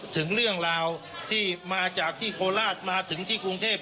ถึงเรื่องราวที่มาจากที่โคราชมาถึงที่กรุงเทพ